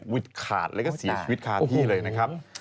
วิดขาดแล้วก็เสียชีวิตคาที่เลยนะครับ